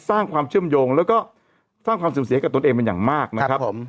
สร้างความเชื่อมโยงแล้วก็สร้างความเสื่อมเสียกับตนเองเป็นอย่างมากนะครับผม